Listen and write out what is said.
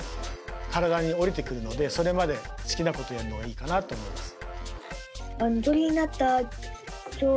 体におりてくるのでそれまで好きなことをやるのがいいかなと思います。